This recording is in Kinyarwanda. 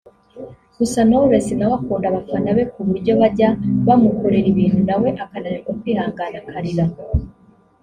Gusa Knowless nawe akunda abafana be kuburyo bajya bamukorera ibintu nawe akananirwa kwihangana akarira